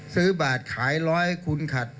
ซื้อบาทขายร้อยคุณขัด